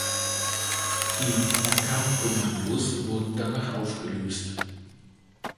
Die Nakam-Kommandos wurden danach aufgelöst.